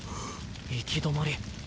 行き止まり。